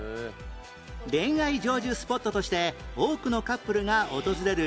恋愛成就スポットとして多くのカップルが訪れる